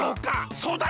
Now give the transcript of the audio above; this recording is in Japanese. そうだよね！